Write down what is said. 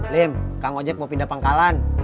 lim kang ojek mau pindah pangkalan